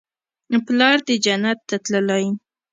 پلار دې جنت ته تللى.